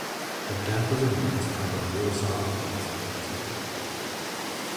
Her death was announced by the Warsaw Uprising Museum.